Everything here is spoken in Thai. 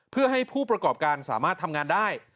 เพื่อให้ผู้ประกอบการสามารถทำงานได้